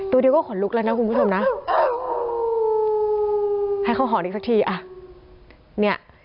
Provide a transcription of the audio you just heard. ตัวเดียวก็ขนลุกแล้วนะคุณผู้ชมนะให้เขาหอนอีกสักทีอ่ะเนี่ย